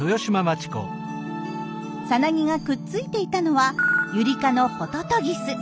サナギがくっついていたのはユリ科のホトトギス。